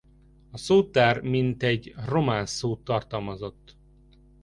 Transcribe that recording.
A szótár mintegy román szót tartalmazott.